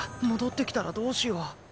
戻ってきたらどうしよう？